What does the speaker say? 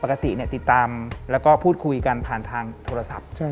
ติดตามแล้วก็พูดคุยกันผ่านทางโทรศัพท์